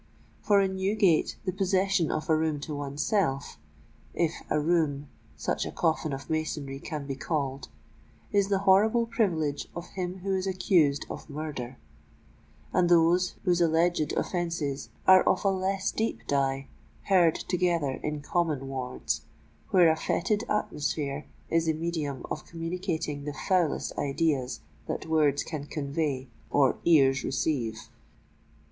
For in Newgate the possession of a room to oneself—if a room such a coffin of masonry can be called—is the horrible privilege of him who is accused of murder; and those whose alleged offences are of a less deep dye, herd together in common wards, where a fetid atmosphere is the medium of communicating the foulest ideas that words can convey or ears receive.